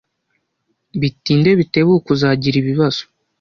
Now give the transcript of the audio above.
Bitinde bitebuke, uzagira ibibazo.